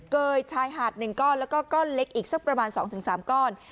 ยชายหาด๑ก้อนแล้วก็ก้อนเล็กอีกสักประมาณ๒๓ก้อน